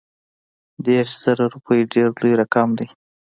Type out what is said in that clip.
دېرش زره روپي ډېر لوی رقم دی.